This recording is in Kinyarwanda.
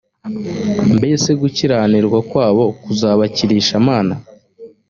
mbese gukiranirwa kwabo kuzabakirisha mana